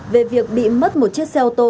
về việc bị mất một chiếc xe ô tô